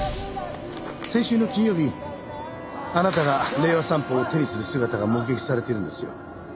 先週の金曜日あなたが『令和散歩』を手にする姿が目撃されてるんですよ。